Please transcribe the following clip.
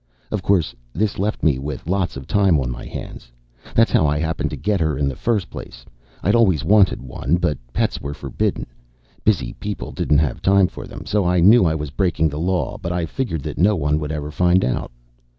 Of course, this left me with lots of time on my hands. That's how I happened to get her in the first place. I'd always wanted one, but pets were forbidden. Busy people didn't have time for them. So I knew I was breaking the Law. But I figured that no one would ever find out.